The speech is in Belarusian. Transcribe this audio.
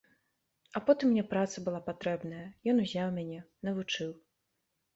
А потым мне праца была патрэбная, ён узяў мяне, навучыў.